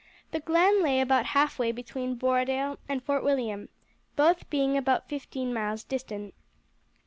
The glen lay about halfway between Borodale and Fort William, both being about fifteen miles distant.